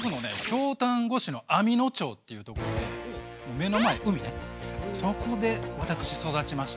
京丹後市の網野町っていうところで目の前海でそこで私育ちました。